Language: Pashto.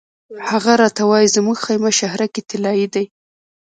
هغه راته وایي زموږ خیمه شهرک طلایي دی.